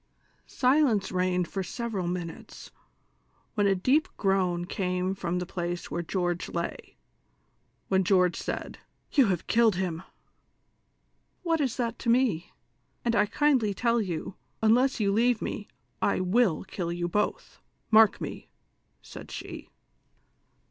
Silence reigned for several minutes, wlien a deep groan came from the place where William lay, when George said :" You have killed him !"" AVhat is that to me ':* and T kindly tell you, unless you leave me, I will kill you botli, mark m<^^ !" said f;1ie.